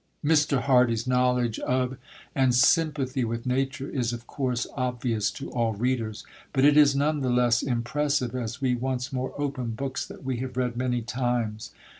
Mr. Hardy's knowledge of and sympathy with nature is of course obvious to all readers, but it is none the less impressive as we once more open books that we have read many times.